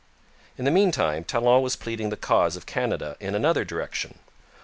In the meantime Talon was pleading the cause of Canada in another direction.